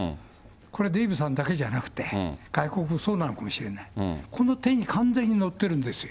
これ、デーブさんだけじゃなくて、外国はそうなのかもしれない、この手に完全に乗ってるんですよ。